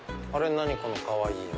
何このかわいいの。